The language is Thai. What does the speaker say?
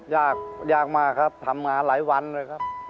ยากยากมากครับทำงานหลายวันเลยครับ